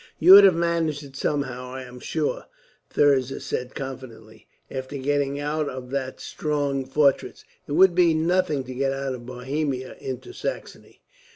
"You would have managed it somehow, I am sure," Thirza said confidently. "After getting out of that strong fortress, it would be nothing to get out of Bohemia into Saxony."